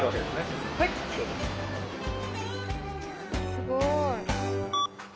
すごい。